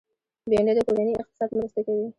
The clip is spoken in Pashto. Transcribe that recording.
بېنډۍ د کورني اقتصاد مرسته کوي